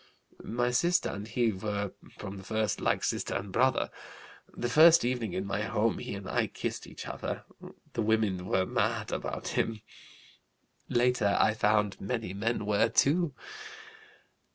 My sister and he were from the first like sister and brother. The first evening in my home he and I kissed each other. The women were mad about him. Later I found many men were too.